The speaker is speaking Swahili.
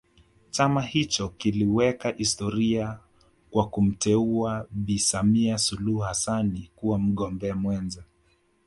Chama hicho kiliweka historia kwa kumteua Bi Samia Suluhu Hassani kuwa mgombea mwenza